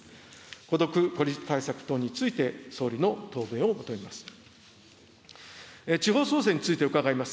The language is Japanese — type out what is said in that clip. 孤独・孤立対策等について、総理の答弁を求めます。